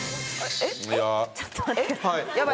えっ？